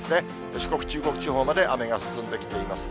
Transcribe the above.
四国、中国地方まで雨が進んできています。